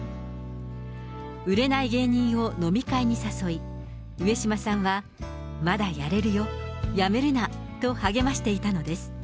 売れない芸人を飲み会に誘い、上島さんはまだやれるよ、やめるなと励ましていたのです。